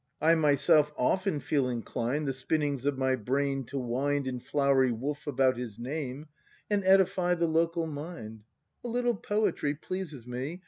I myself often feel inclined The spinnings of my brain to wind In flowery woof about his name, And edify the local mind. A little poetry pleases me.